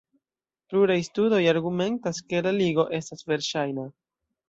Pluraj studoj argumentas ke la ligo estas verŝajna.